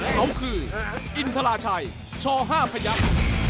เขาคืออินทราชัยช๕พยักษ์